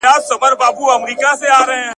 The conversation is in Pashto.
افغانستان دنړیوال معیارونه نه پلي کوي.